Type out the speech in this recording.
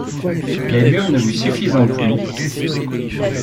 Les murs ne lui suffisant plus.